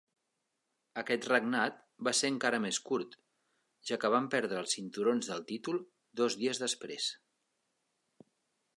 Aquest regnat va ser encara més curt, ja que van perdre els cinturons del títol dos dies després.